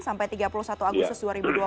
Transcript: sampai tiga puluh satu agustus dua ribu dua puluh